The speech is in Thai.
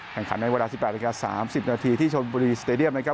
แข่งขันในเวลา๑๘นาที๓๐นาทีที่ชนบุรีสเตดียมนะครับ